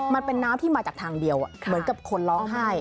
มันเป็นน้ำที่มาจากทางเดียวเหมือนกับคนร้องไห้